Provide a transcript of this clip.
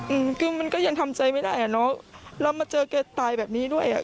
อืมคือมันก็ยังทำใจไม่ได้อ่ะเนอะแล้วมาเจอแกตายแบบนี้ด้วยอ่ะ